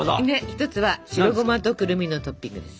１つは白ゴマとくるみのトッピングです。